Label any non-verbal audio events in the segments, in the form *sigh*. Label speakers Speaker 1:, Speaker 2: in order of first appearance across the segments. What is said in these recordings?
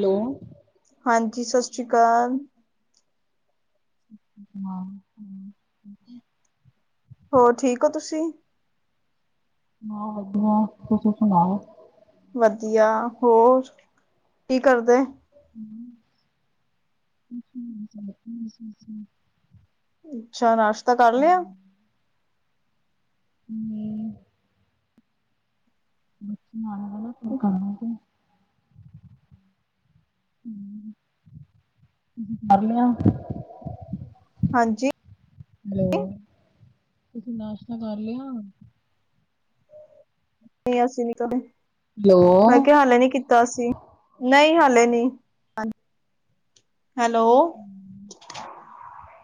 Speaker 1: Hello
Speaker 2: ਹਾਂਜੀ ਸਸ ਸ੍ਰੀ ਕਾਲ।
Speaker 1: ਹਾਂ
Speaker 2: ਹੋਰ ਠੀਕ ਹੋ ਤੁਸੀ।
Speaker 1: ਹਾਂ ਵਧੀਆ ਤੁਸੀ ਸੁਣਾਓ।
Speaker 2: ਵਧੀਆ ਹੋਰ ਕੀ ਕਰਦੇ।
Speaker 1: *unintelligible*
Speaker 2: ਅੱਛਾ ਨਾਸ਼ਤਾ ਕਰ ਲਿਆ।
Speaker 1: ਹੱਲੇ ਨੀ। ਬੱਚੇ ਆਉਣ ਵਾਲਾ ਫੇਰ ਕਰਾਂਗੇ। ਕਰ ਲਿਆ।
Speaker 2: ਹਾਂਜੀ
Speaker 1: ਹੈਲੋ ਤੁਸੀਂ ਨਾਸ਼ਤਾ ਕਰ ਲਿਆ?
Speaker 2: ਨਹੀਂ ਅਸੀਂ ਨੀ ਕ
Speaker 1: ਹੈਲੋ
Speaker 2: ਮੈਂ ਕਿਹਾ ਹੱਲੇ ਨੀ ਕੀ ਕੀਤਾ ਸੀ? ਨਹੀਂ ਹਾਲੇ ਨਹੀਂ, ਹਾਂ, ਹੈਲੋ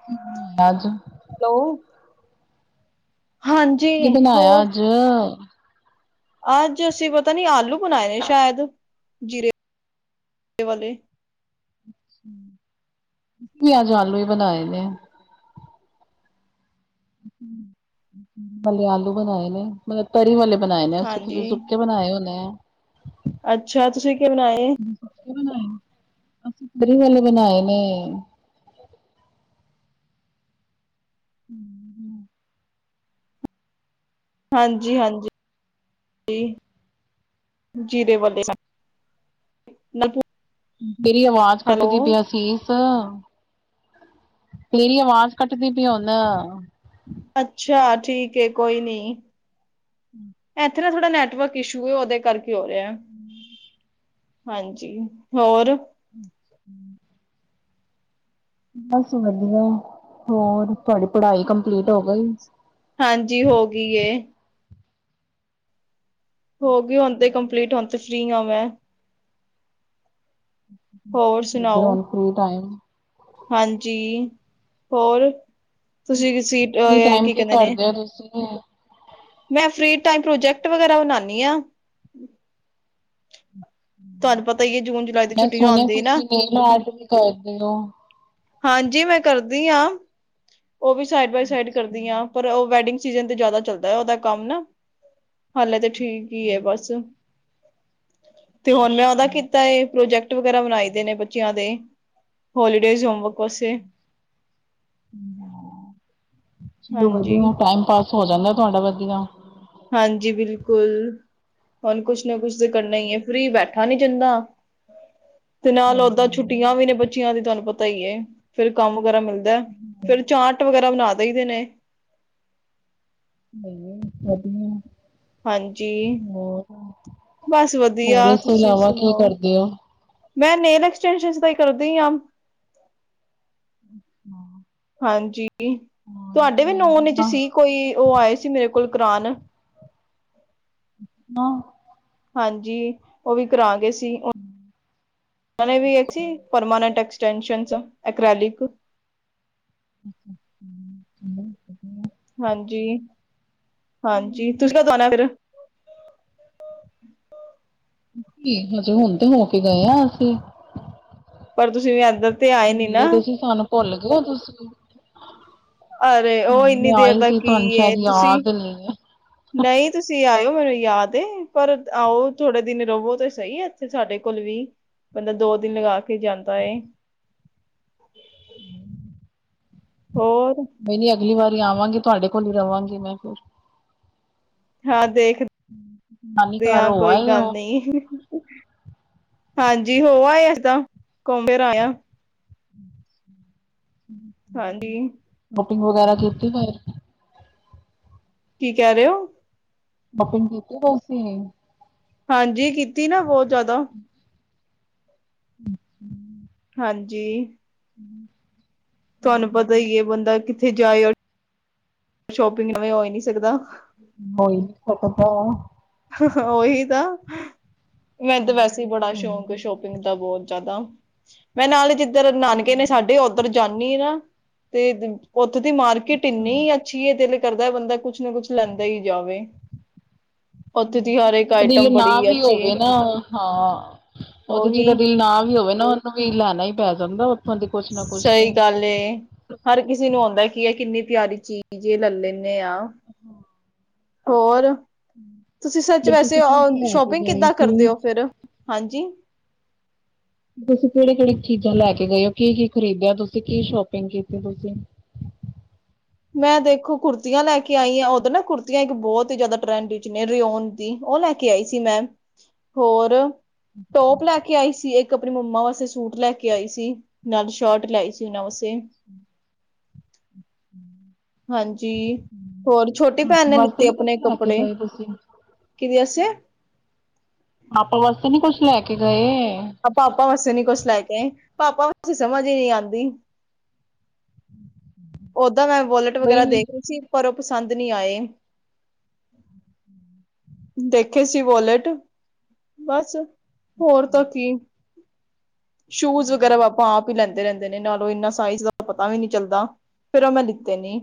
Speaker 1: ਕੀ, ਬਣਾਇਆ ਅੱਜ?
Speaker 2: ਹੈਲੋ
Speaker 1: ਕੀ
Speaker 2: ਹਾਂਜੀ,
Speaker 1: ਬਣਾਇਆ
Speaker 2: ਹੋਰ-?
Speaker 1: ਅੱਜ
Speaker 2: ਅੱਜ ਅਸੀਂ ਪਤਾ ਨੀ, ਆਲੂ ਬਣਾਏ ਨੇ ਸ਼ਾਇਦ, ਜੀਰੇ ਵਾਲੇ
Speaker 1: ਮੈਂ ਵੀ ਅੱਜ, ਆਲੂ ਹੀ ਬਣਾਏ ਨੇ। ਇੱਕਲੇ, ਆਲੂ ਬਣਾਏ ਨੇ? ਮਤਲਬ, ਤਰੀ ਵਾਲੇ ਬਣਾਏ ਨੇ ਅਸੀ
Speaker 2: ਹਾਂਜੀ
Speaker 1: ਤੁਸੀਂ, ਸੁੱਕੇ ਬਣਾਏ ਹੋਣੈ।
Speaker 2: ਅੱਛਾ, ਤੁਸੀਂ ਕੀ ਬਣਾਏ?
Speaker 1: ਅਸੀ, ਤਰੀ ਵਾਲੇ ਬਣਾਏ ਨੇ ਹਮ -ਹਮ
Speaker 2: ਹਾਂਜੀ- ਹਾਂਜੀ--ਹਾਂਜੀ ਜੀਰੇ ਵਾਲੇ ਸਾਡੇ, ਮੈ ਪੁੱਛ
Speaker 1: ਮੇਰੀ, ਆਵਾਜ਼ ਕੱਟਦੀ, ਪਿਆ ਸੀ। ਤੇਰੀ, ਆਵਾਜ਼ ਕੱਟਦੀ ਪਈ ਹੈ, ਹੁਣ
Speaker 2: ਅੱਛਾ, ਠੀਕ ਏ, ਕੋਈ ਨੀ।
Speaker 1: ਹਮ
Speaker 2: ਇੱਥੇ ਨਾ, ਥੋੜਾ ਨੈਟਵਰਕ ਇਸ਼ੂ ਏ, ਉਹਦੇ ਕਰਕੇ ਹੋ ਰਿਹਾ। ਹਾਂਜੀ, ਹੋਰ
Speaker 1: ਹਮ ਬਸ, ਵਧੀਆ ਹੋਰ ਤੁਹਾਡੀ ਪੜ੍ਹਾਈ ਕੰਪਲੀਟ ਹੋ ਗਈ?
Speaker 2: ਹਾਂਜੀ, ਹੋ ਗਈ ਏ। ਹੋ ਗਈ, ਹੁਣ ਤੇ ਕੰਪਲੀਟ ਹੁਣ ਤੇ ਫ੍ਰੀ ਹਾਂ ਮੈਂ। ਹੋਰ ਸੁਣਾਓ
Speaker 1: *unintelligible*
Speaker 2: ਹਾਂਜੀ, ਹੋਰ? ਤੁਸੀਂ,
Speaker 1: ਫ੍ਰੀ
Speaker 2: ਅਹ
Speaker 1: ਟਾਈਮ
Speaker 2: ਕੀ ਕਹਿੰਦੇ ਨੇ?
Speaker 1: ਕਰਦੇ ਹੋ ਤੁਸੀਂ?
Speaker 2: ਮੈਂ, ਫ੍ਰੀ ਟਾਈਮ ਪ੍ਰੋਜੈਕਟ ਵਗੈਰਾ ਬਣਾਉਂਦੀ ਹਾਂ। ਤੁਹਾਨੂੰ ਪਤਾ ਹੀ ਹੈ, ਜੂਨ- ਜੁਲਾਈ ਦੀ
Speaker 1: ਮੈਂ
Speaker 2: ਛੁੱਟੀਆਂ
Speaker 1: ਸੁਣਿਆ
Speaker 2: ਹੁੰਦੀ ਹੈ, ਨਾ
Speaker 1: ਤੁਸੀਂ ਨੇਲ ਆਰਟ, ਵੀ ਕਰਦੇ ਹੋ?
Speaker 2: ਹਾਂਜੀ, ਮੈਂ ਕਰਦੀ ਹਾਂ, ਉਹ ਵੀ ਸਾਈਡ ਬਾਏ, ਸਾਈਡ ਕਰਦੀ ਹਾਂ, ਪਰ ਉਹ ਵੈਡਿੰਗ ਸੀਜਨ ਤੇ ਜ਼ਿਆਦਾ ਚੱਲਦਾ, ਉਹਦਾ ਕੰਮ ਨਾ, ਹਾਲੇ ਤਾਂ ਠੀਕ ਹੀ ਹੈ, ਬਸ ਤੇ ਹੁਣ ਮੈਂ, ਉਹਦਾ ਕੀਤਾ ਏ ਪ੍ਰੋਜੈਕਟ ਵਗੈਰਾ ਬਣਾਈ ਦੇ ਨੇ, ਬੱਚਿਆਂ ਦੇ ਹੋਲੀਡੇਜ਼ ਹੋਮਵਰਕ ਵਾਸਤੇ।
Speaker 1: ਚਲੋ, ਵਧੀਆ ਟਾਈਮ ਪਾਸ ਹੋ ਜਾਂਦਾ, ਤੁਹਾਡਾ ਵਧੀਆ।
Speaker 2: ਹਾਂਜੀ, ਬਿਲਕੁਲ ਹੁਣ ਕੁਛ ਨਾ, ਕੁਛ ਤਾਂ ਕਰਨਾ ਹੀ ਹੈ ਫਰੀ ਬੈਠਾ ਬੈਠਾ ਨੀ ਜਾਂਦਾ, ਤੇ ਨਾਲ
Speaker 1: ਨਹੀਂ
Speaker 2: ਓਦਾਂ ਛੁੱਟੀਆਂ ਵੀ ਨੇ ਬੱ ਬੱਚਿਆਂ ਦੀ, ਤੁਹਾਨੂੰ ਪਤਾ ਹੀ ਏ ਫਿਰ ਕੰਮ ਵਗੈਰਾ ਮਿਲਦਾ, ਫਿਰ ਚਾਟ ਵਗੈਰਾ ਬਣਾ ਦਈ ਦੇ ਨੇ।
Speaker 1: ਨਹੀਂ, ਵਧੀਆ
Speaker 2: ਹਾਂਜੀ,
Speaker 1: ਹੋਰ,
Speaker 2: ਬਸ
Speaker 1: ਹੋਰ
Speaker 2: ਵਧੀਆ
Speaker 1: ਇਸ ਤੋਂ
Speaker 2: ਤੁਸੀਂ
Speaker 1: ਇਲਾਵਾ ਕੀ
Speaker 2: ਸੁਣਾਓ?
Speaker 1: ਕਰਦੇ ਹੋ?
Speaker 2: ਮੈਂ, ਨੇਲ ਐਕਸਟੈਂਸ਼ਨਸ ਦਾ ਹੀ ਕਰਦੀ ਆ।
Speaker 1: ਹਾਂ
Speaker 2: ਹਾਂਜੀ, ਤੁਹਾਡੇ ਵੀ ਨੋਨ
Speaker 1: ਮਹਿੰਦੀ
Speaker 2: ਚ
Speaker 1: ਦਾ,
Speaker 2: ਸੀ ਕੋਈ, ਉਹ ਆਏ ਸੀ ਮੇਰੇ ਕੋਲ ਕਰਾਨ।
Speaker 1: ਅੱਛਾ।
Speaker 2: ਹਾਂਜੀ, ਉਹ ਵੀ ਕਰਾਗੇ ਸੀ, ਉਹਨਾਂ ਨੇ ਵੀ ਪਰਮਾਨੈਂਟ ਐਕ ਐਕਸਟੈਂਸ਼ਨਸ, ਅਕ੍ਰੈਲਿਕ
Speaker 1: *inaudible*
Speaker 2: ਹਾਂਜੀ -ਹਾਂਜੀ, ਤੁਸੀਂ ਕਦੋਂ ਆਉਣਾ ਫਿਰ?
Speaker 1: ਅਸੀਂ, ਹਜੇ, ਹੁਣ ਤੇ ਹੋ ਕੇ ਗਏ ਹਾਂ ਅਸੀਂ।
Speaker 2: ਪਰ ਤੁਸੀਂ ਵੀ, ਇੱਧਰ ਤੇ ਆਏ ਨੀ ਨਾ
Speaker 1: ਮਿਲੇ ਤੇ ਸੀ। ਸਾਨੂੰ ਭੁੱਲ ਗਏ ਤੁਸੀ
Speaker 2: ਅਰੇ ਉਹ ਇੰਨੀ ਦੇਰ ਦਾ ਕੀ
Speaker 1: ਸ਼ਾਇਦ
Speaker 2: ਤੁਸੀਂ
Speaker 1: ਯਾਦ ਨੀ ਹੈ
Speaker 2: ਨਹੀਂ ਤੁਸੀਂ ਆਇਓ ਮੈਨੂੰ ਯਾਦ ਏ। ਪਰ ਆਓ ਥੋੜੇ ਦਿਨ ਰਵੋ ਤਾਂ ਸਹੀ ਇੱਥੇ। ਤੇ ਸਾਡੇ ਕੋਲ ਵੀ। ਬੰਦਾ ਦੋ ਦਿਨ ਲਗਾ ਕੇ ਜਾਂਦਾ ਏ। ਹੋਰ?
Speaker 1: ਨਹੀਂ-ਨਹੀਂ ਅਗਲੀ ਵਾਰੀ ਆਵਾਂਗੇ। ਤੁਹਾਡੇ ਕੋਲ ਵੀ ਰਵਾਂਗੀ ਮੈਂ ਫਿਰ
Speaker 2: ਹਾਂ।
Speaker 1: ਨਾਨੀ
Speaker 2: ਦੇਖਦੇ
Speaker 1: ਘਰ
Speaker 2: ਹ
Speaker 1: ਹੋ
Speaker 2: ਕੋਈ
Speaker 1: ਆਏ
Speaker 2: ਗੱਲ
Speaker 1: ਹੋ
Speaker 2: ਨੀ। ਹਾਂਜੀ ਹੋ ਆਏ ਅਸੀਂ ਤਾਂ। ਘੁਮ ਫਿਰ ਆਇਆ
Speaker 1: *inaudible*
Speaker 2: ਹਾਂਜੀ
Speaker 1: ਸ਼ੋਪਿੰਗ ਵਗੈਰਾ ਕੀਤੀ ਬਾਹਰ
Speaker 2: ਕੀ ਕਹਿ ਰਹੇ ਹੋ
Speaker 1: ਸ਼ੋਪਿੰਗ ਕੀਤੀ ਏ, ਵੈਸੀ ਏ।
Speaker 2: ਹਾਂਜੀ ਕੀਤੀ ਨਾ ਬਹੁਤ ਜ਼ਿਆਦਾ
Speaker 1: *inaudible*
Speaker 2: ਹਾਂਜੀ
Speaker 1: *inaudible*
Speaker 2: ਤੁਹਾਨੂੰ ਪਤਾ ਹੀ ਹੈ ਬੰਦਾ ਕਿੱਥੇ ਜਾਏ ਸ਼ੋਪਿੰਗ ਨਾ ਹੋਵੇ ਇਹ ਹੋ ਨੀ ਸਕਦਾ
Speaker 1: ਹੋਈ ਪਰ ਕਰਦਾ ਹੈ।
Speaker 2: ਉਹੀ ਤਾਂ ਮੈ ਤਾਂ ਵੈਸੇ ਹੀ ਬੜਾ ਸ਼ੌਂਕ ਸ਼ੋਪਿੰਗ ਦਾ ਬਹੁਤ ਜ਼ਿਆਦਾ। ਮੈਂ ਨਾਲ ਹੀ ਜਿੱ ਜਧਰ ਨਾਨਕੇ ਨੇ ਸਾਡੇ ਉਧਰ ਜਾਂਣੀ ਨਾ। ਤੇ ਉੱਥੋਂ ਦੀ ਮਾਰਕੀਟ ਇੰਨੀ ਆ ਅੱਛੀ ਏ, ਦਿਲ ਕਰਦਾ ਬੰਦਾ ਕੁਛ ਨਾ ਕੁਛ ਲੈਂਦਾ ਹੀ ਜਾਵੇ ਉੱਥੇ ਦੀ ਹਰ ਇੱਕ ਆਈਟਮ
Speaker 1: ਦਿਲ ਨਾ
Speaker 2: ਬੜੀ
Speaker 1: ਵੀ
Speaker 2: ਅੱਛੀ ਹੈ
Speaker 1: ਹੋਵੇ ਨਾ ਹਾਂ ਉਹ ਤੇ ਜਿਹਦਾ
Speaker 2: ਉਹੀ
Speaker 1: ਦਿਲ ਨਾ ਵੀ ਹੋਵੇ ਨਾ। ਉਹਨੂੰ ਵੀ ਲੈਣਾ ਹੀ ਪੈ ਜਾਂਦਾ ਉੱਥੋਂ ਦੀ ਕੁਛ ਨਾ ਕੁਛ
Speaker 2: ਸਹੀ
Speaker 1: ਤੇ
Speaker 2: ਗੱਲ ਏ ਹਰ ਕਿਸੇ ਨੂੰ ਆਉਂਦਾ ਕਿ, ਇਹ ਕਿੰਨੀ ਪਿਆਰੀ ਚੀਜ਼ ਇਹ ਲੈ ਲੈਂਦੇ ਆ
Speaker 1: *unintelligible*
Speaker 2: ਹੋਰ ਤੁਸੀਂ ਸੱਚ
Speaker 1: ਫਿਰ
Speaker 2: ਵੈਸੇ
Speaker 1: ਤੁਸੀਂ ਕੀ ਕੀ ਲੈ ਕੇ
Speaker 2: ਸ਼ੋਪਿੰਗ
Speaker 1: ਗਏ
Speaker 2: ਕਿੱਦਾਂ ਕਰਦੇ
Speaker 1: ਸੀ?
Speaker 2: ਹੋ ਫੇਰ ਹਾਂਜੀ
Speaker 1: ਤੁਸੀਂ ਕਿਹੜੇ ਕਿਹੜੀ ਚੀਜ਼ਾਂ ਲੈ ਕੇ ਗਏ ਓ। ਕੀ-ਕੀ ਖਰੀਦਿਆ ਤੁਸੀਂ, ਕੀ ਸ਼ੋਪਿੰਗ ਕੀਤੀ ਤੁਸੀਂ
Speaker 2: ਮੈਂ ਦੇਖੋ ਕੁੁਰਤੀਆਂ ਲੈ ਕੇ ਆਈ ਹਾਂ। ਉਦੋਂ ਨਾ ਕੁੜਤੀਆਂ ਇੱਕ ਬਹੁਤ ਹੀ ਜ਼ਿਆਦਾ ਟਰੈਂਡ ਵਿੱਚ ਨੇ ਰਓਨ ਦੀ, ਉਹ ਲੈ ਕੇ ਆਈ ਸੀ ਮੈਂ, ਹੋਰ ਟੋਪ ਲੈ ਕੇ ਆਈ ਸੀ ਇੱਕ ਆਪਣੀ ਮੰਮਾ ਵਾਸਤੇ ਸੂਟ ਲੈ ਕੇ ਆਈ ਸੀ, ਨਾਲ ਸ਼ਰਟ ਲੈਈ ਸੀ ਉਹਨਾਂ ਵਾਸਤੇ ਹਾਂਜੀ ਹੋਰ ਛੋਟੀ ਭੈਣ
Speaker 1: ਪਾਪਾ
Speaker 2: ਨੇ
Speaker 1: ਵਾਸਤੇ
Speaker 2: ਲਿੱਤੇ
Speaker 1: ਨੀ ਕੁਛ
Speaker 2: ਆਪਣੇ
Speaker 1: ਲੈ ਕੇ
Speaker 2: ਕੱਪੜੇ
Speaker 1: ਗਏ ਤੁਸੀਂ
Speaker 2: ਕਿਦੇ ਵਾਸਤੇ
Speaker 1: ਪਾਪਾ ਵਾਸਤੇ ਨੀ ਕੁਛ ਲੈ ਕੇ ਗਏ
Speaker 2: ਪਾਪਾ ਵਾਸੇ ਨੀ ਕੁਛ ਲੈ ਕੇ ਆਏ। ਪਾਪਾ ਵਾਸਤੇ ਸਮਝ ਹੀ ਨਹੀ ਆਉਂਦੀ
Speaker 1: *unintelligible*
Speaker 2: ਓਦਾਂ ਮੈਂ ਵੋਲਟ
Speaker 1: ਬਈ
Speaker 2: ਵਗੈਰਾ
Speaker 1: ਨੀ
Speaker 2: ਦੇਖ ਰਹੀ ਸੀ। ਪਰ ਉਹ ਪਸੰਦ ਨਹੀਂ ਆਏ
Speaker 1: *inaudible*
Speaker 2: ਦੇਖੇ ਸੀ ਵਾਲੇਟ ਬਸ ਹੋਰ ਤਾਂ ਕੀ ਸ਼ੂਜ ਵਗੈਰਾ ਪਾਪਾਂ ਆਪ ਹੀ ਲੈਂਦੇ ਰਹਿੰਦੇ ਨੇ, ਨਾਲੋਂ ਇਨਾ ਸਾਈਜ਼ ਦਾ ਪਤਾ ਵੀ ਨੀ ਚੱਲਦਾ। ਫੇਰ ਉਹ ਮੈਂ ਲ ਤੇ ਨਹੀ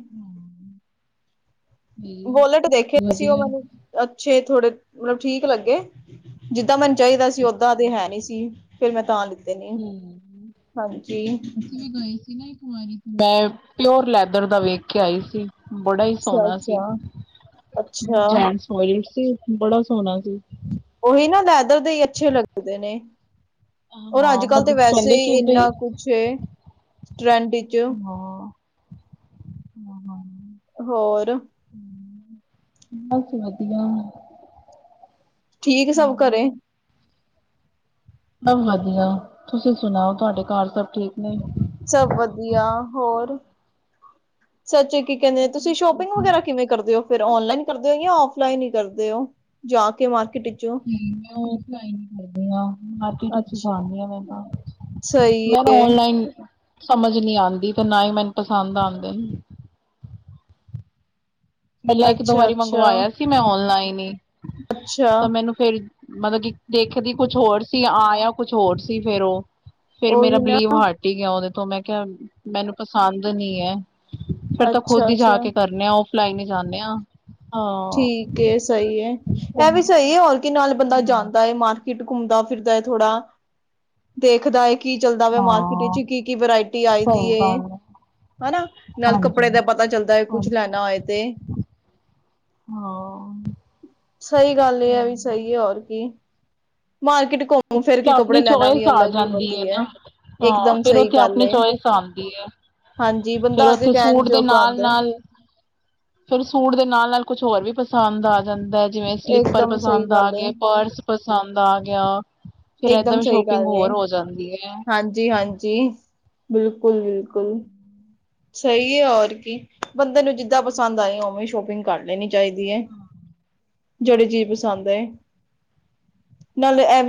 Speaker 2: ਵੋਲਟ ਦੇਖੇ ਸੀ। ਉਹ
Speaker 1: ਵਧੀਆ
Speaker 2: ਮੈਨੂੰ ਅੱਛੇ ਥੋੜੇ ਮਤਲਬ ਠੀਕ ਲੱਗੇ, ਜਿੱਦਾਂ ਮੈਨੂੰ ਚਾਹੀਦਾ ਸੀ ਓਦਾਂ
Speaker 1: ਅੱਛਾ
Speaker 2: ਤੇ ਹੈ ਨਹੀਂ ਸੀ ਫਿਰ ਮੈਂ ਤਾਂ ਲੀਤੇ ਨਹੀ
Speaker 1: ਹੂੰ।
Speaker 2: ਹਾਂਜੀ
Speaker 1: ਮੈਂ ਇਕ ਵਾਲਟ ਮੈਂ ਪਿਓਰ ਲੈਦਰ ਦਾ ਵੇਖ ਕੇ ਆਈ ਸੀ। ਬੜਾ ਹੀ ਸੋਹਣਾ ਸੀ।
Speaker 2: ਅੱਛਾ-ਅੱਛਾ, ਅੱਛਾ
Speaker 1: ਜੈਂਟਸ ਵੋਲਟ ਸੀ, ਬੜਾ ਸੋਹਣਾ ਸੀ।
Speaker 2: ਉਹੀ ਨਾ ਲੈਦਰ ਦੇ ਹੀ ਅੱਛੇ ਲੱਗਦੇ ਨੇ ਹੋਰ ਅੱਜ
Speaker 1: ਹਾਂ
Speaker 2: ਕੱਲ੍ਹ ਤਾਂ
Speaker 1: ਮਤਲਬ
Speaker 2: ਵੈਸੇ
Speaker 1: ਕਹਿੰਦੇ
Speaker 2: ਹੀ
Speaker 1: ਕਿ ਬਈ
Speaker 2: ਇੰਨਾ ਕੁਛ ਹੈ ਟਰੈਂਡ ਚ
Speaker 1: ਹਮ
Speaker 2: ਹੋਰ
Speaker 1: ਬਸ ਵਧੀਆ
Speaker 2: ਠੀਕ ਸਭ ਘਰੇ
Speaker 1: ਹਮ, ਸਭ ਵਧੀਆ ਤੁਸੀਂ ਸੁਣਾਓ ਤੁਹਾਡੇ ਘਰ ਸਭ ਠੀਕ ਨੇ
Speaker 2: ਸਭ ਵਧੀਆ ਹੋਰ ਸੱਚ ਕੀ ਕਹਿੰਦੇ ਤੁਸੀਂ ਸ਼ੋਪਿੰਗ ਵਗੈਰਾ ਕਿਵੇਂ ਕਰਦੇ ਹੋ ਫੇਿਰ ਔਨਲਾਈਨ ਕਰਦੇ ਹੋ ਜਾਂ ਫਲਾਈਨ ਹੀ ਕਰਦੇ ਹੋ ਜਾ ਕੇ ਮਾਰਕਟ ਵਿੱਚੋਂ
Speaker 1: ਮੈਂ ਔਫਲਈਨ ਹੀ ਕਰਦੀ ਆ ਮਾਰਕੀਟ ਵਿੱਚ ਹੀ ਜਾਣਦੀ ਆ ਮੈਂ ਤਾਂ
Speaker 2: ਅੱਛਾ ਸਹੀ
Speaker 1: ਮੈਨੂੰ
Speaker 2: ਹੈ
Speaker 1: ਔਨਲਾਈਨ ਸਮਝ ਨੀ ਆਉਂਦੀ ਤੇ ਨਾ ਹੀ ਮੈਨੂੰ ਪਸੰਦ ਆਉਂਦੇ ਨੇ ਪਹਿਲਾਂ ਇੱਕ ਦੋ
Speaker 2: ਅੱਛਾ
Speaker 1: ਵਾਰੀ
Speaker 2: ਅੱਛਾ
Speaker 1: ਮੰਗਵਾਇਆ ਸੀ ਮੈਂ ਓਨਲਾਈਨ ਹੀ
Speaker 2: ਅੱਛਾ
Speaker 1: ਤਾਂ ਮੈਨੂੰ ਫਰ ਮਤਲਬ ਕਿ ਦੇਖਦੀ ਕੁਛ ਹੋਰ ਸੀ ਆ ਜਾਂ ਕੁਛ ਹੋਰ ਸੀ ਫੇਿਰ ਉਹ ਫੇਿਰ ਮੇਰਾ
Speaker 2: ਉਹੀ ਨਾ
Speaker 1: ਬਲੀਵ ਹਟ ਹੀ ਗਿਆ ਉਹਦੇ ਤੋਂ ਮੈਂ ਕਿਹਾ ਮੈਨੂੰ ਪਸੰਦ ਨੀ ਹੈ ਫੇਿਰ ਤਾਂ
Speaker 2: ਅੱਛਾ
Speaker 1: ਖੁਦ ਹੀ ਜਾ
Speaker 2: ਅੱਛਾ
Speaker 1: ਕੇ ਕਰਨੇ ਆ ਉਹ ਫਲਾਈਨ ਹੀ ਜਾਂਦੇ ਆ ਹਾਂ।
Speaker 2: ਠੀਕ ਹੈ ਸਹੀ ਹੈ ਇਹ ਵੀ ਸਹੀ ਹੈਰ ਨਾਲ ਬੰਦਾ ਜਾਂਦਾ ਹੈ ਮਾਰਕੀਟ ਘੁੰਮਦਾ ਫਿਰਦਾ ਹੈ ਥੋੜਾ ਦੇਖਦਾ ਹੈ ਕਿ ਕੀ ਚੱਲਦਾ ਵਾ ਮਾਰਕੀਟ
Speaker 1: ਹਾਂ,
Speaker 2: ਵਿੱਚ ਕੀ ਕੀ ਵਰਾਇਟੀ ਆਈ ਦੀ
Speaker 1: ਸਹੀ
Speaker 2: ਹੈ
Speaker 1: ਗੱਲ
Speaker 2: ਹਨਾ ਨਾਲ
Speaker 1: ਹਾਂਜੀ।
Speaker 2: ਕੱਪੜੇ ਦਾ ਪਤਾ ਚੱਲਦਾ ਹੈ ਕੁਛ
Speaker 1: ਹਾਂਜੀ।
Speaker 2: ਲੈਣਾ ਹੋਏ ਤੇ
Speaker 1: ਹਾਂ
Speaker 2: ਸਹੀ ਗੱਲ ਇਹ ਹੈ ਵੀ ਸਹੀ ਹੈ ਹੋਰ ਕੀ ਮਾਰਕੀਟ ਘੁੰਮ ਫਿਰ ਕੇ ਕੱਪੜੇ
Speaker 1: ਆਪਣੀ
Speaker 2: ਲੈਣਾ ਵੀ
Speaker 1: ਚੋਇਸ ਆ
Speaker 2: ਅਲੱਗ ਹੀ
Speaker 1: ਜਾਂਦੀ ਹੈ
Speaker 2: ਵਧੀਆ
Speaker 1: ਨਾ। ਹਾਂ
Speaker 2: ਇਕਦਮ
Speaker 1: ਫਿਰ
Speaker 2: ਸਹੀ
Speaker 1: ਉੱਥੇ
Speaker 2: ਗੱਲ
Speaker 1: ਆਪਣੀ
Speaker 2: ਏ
Speaker 1: ਚੋਇਸ ਆਉਂਦੀ ਹੈ
Speaker 2: ਹਾਂਜੀ
Speaker 1: ਫਰ
Speaker 2: ਬੰਦਾ ਅੱਗੇ
Speaker 1: ਉੱਥੇ
Speaker 2: ਕਹਿਣ
Speaker 1: ਸੂਟ ਦੇ
Speaker 2: ਜੋਗਾ
Speaker 1: ਨਾਲ
Speaker 2: ਆਉਂਦਾ
Speaker 1: ਨਾਲ ਫਿਰ ਸੂਟ ਦੇ ਨਾਲ ਨਾਲ ਕੁਛ ਹੋਰ ਵੀ ਪਸੰਦ ਆ ਜਾਂਦਾ ਜਿਵੇਂ ਸਲੀਪਰ
Speaker 2: ਇਕਦਮ ਸਹੀ
Speaker 1: ਪਸੰਦ ਆ
Speaker 2: ਗੱਲ ਏ
Speaker 1: ਗਏ ਪਰਸ ਪਸੰਦ ਆ ਗਿਆ ਫਿਰ ਏਦਾਂ
Speaker 2: ਇਕਦਮ
Speaker 1: ਵੀ
Speaker 2: ਸਹੀ ਗੱਲ
Speaker 1: ਸ਼ੋਪਿੰਗ ਹੋਰ ਹੋ ਜਾਂਦੀ ਹੈ।
Speaker 2: ਹਾਂਜੀ ਹਾਂਜੀ ਬਿਲਕੁਲ ਬਿਲਕੁਲ ਸਹੀ ਹੈ ਔਰ ਕੀ ਬੰਦੇ ਨੂੰ ਜਿੱਦਾਂ ਪਸੰਦ ਆਏ ਉਵੇਂ ਸ਼ੋਪਿੰਗ ਕਰ ਲੈਣੀ ਚਾਹੀਦੀ ਹੈ ਜਿਹੜੇ ਜੀ ਪਸੰਦ ਹੈ ਨਾਲੇ ਇਹ ਵੀ